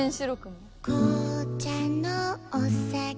「紅茶のお酒を」